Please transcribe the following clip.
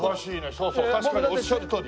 そうそう確かにおっしゃるとおり。